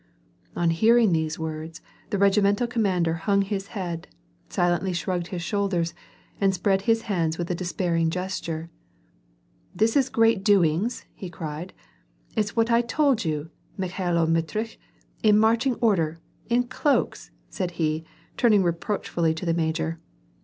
On hearing these words, the regimental commander hung his head, silently shrugged his shoulders, and spread his hands with a despairing gesture. "This is great doings!'' he cried, "It's what I told you, Mikhailo Mitritch — in marching order, in cloaks" said he, turning reproachfully to the major.